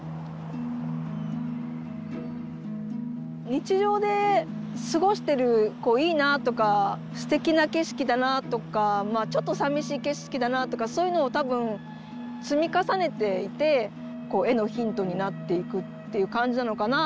日常で過ごしてるこういいなとかすてきな景色だなとかまあちょっとさみしい景色だなとかそういうのを多分積み重ねていてこう絵のヒントになっていくっていう感じなのかな。